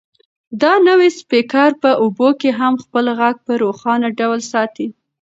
دا نوی سپیکر په اوبو کې هم خپل غږ په روښانه ډول ساتي.